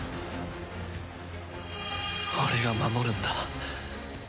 俺が守るんだ。